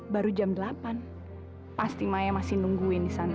baru jam delapan pasti maya masih nungguin di sana